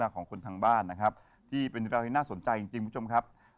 ของคนทางบ้านนะครับที่เป็นเราที่น่าสนใจจริงคุณผู้ชมครับ